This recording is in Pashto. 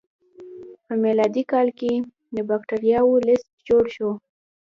په میلادي کال کې د بکتریاوو لست جوړ شو.